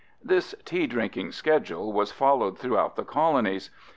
This tea drinking schedule was followed throughout the colonies.